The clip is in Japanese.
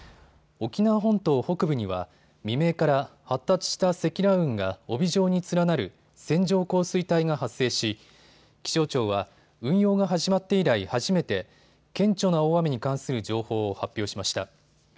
沖縄本島北部には未明から発達した積乱雲が帯状に連なる線状降水帯が発生し気象庁は運用が始まって以来初めて顕著な大雨に関する情報を発表しました。